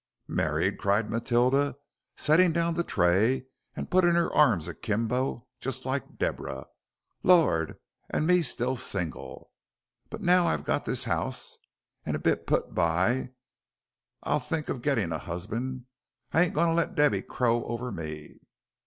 "Married!" cried Matilda, setting down the tray and putting her arms akimbo, just like Deborah, "lor', and me still single. But now I've got this 'ouse, and a bit put by, I'll think of gittin' a 'usband. I ain't a goin' to let Debby crow over me."